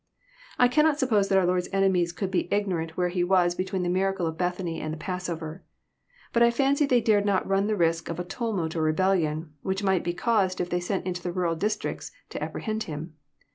I cannot suppose that our Lord's enemies could be Ignorant where He was between the miracle of Bethany and the passover. But I fancy they dared not run the risk of a tumult or rebellion, which might be caused if they sent into the rural districts to appre hend Him.